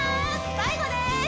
最後です